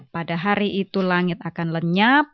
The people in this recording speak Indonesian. pada hari itu langit akan lenyap